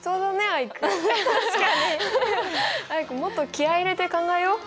アイクもっと気合い入れて考えよう。